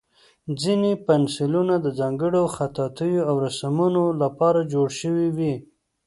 ځینې پنسلونه د ځانګړو خطاطیو او رسمونو لپاره جوړ شوي وي.